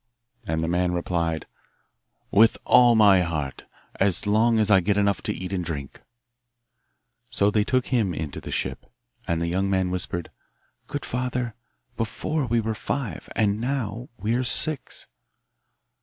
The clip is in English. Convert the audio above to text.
And the man replied, 'With all my heart, as long as I get enough to eat and drink.' So they took him into the ship, and the young man whispered, 'Good father, before we were five, and now we are six.